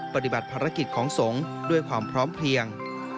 ปฏิบัติภารกิจของสงฆ์ด้วยความพร้อมเพลียง